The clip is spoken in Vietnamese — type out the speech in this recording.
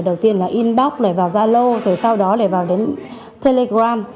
đầu tiên là inbox rồi vào zalo rồi sau đó lại vào đến telegram